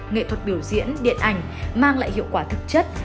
nghệ thuật biểu diễn điện ảnh mang lại hiệu quả thực chất